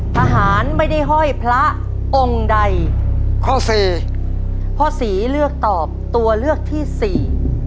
ทหารไม่ได้ห้อยพระองค์ใดข้อสี่พ่อศรีเลือกตอบตัวเลือกที่สี่